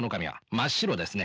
真っ白ですね。